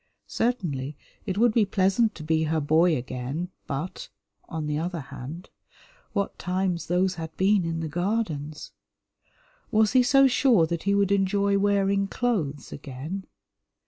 Certainly it would be pleasant to be her boy again, but, on the other hand, what times those had been in the Gardens! Was he so sure that he would enjoy wearing clothes again?